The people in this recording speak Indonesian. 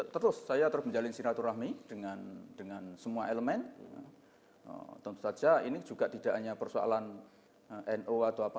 terus saya terpenjaliin sinatur rahmi dengan semua elemen tentu saja ini juga tidak hanya persoalan no atau apa